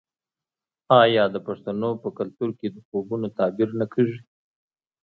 آیا د پښتنو په کلتور کې د خوبونو تعبیر نه کیږي؟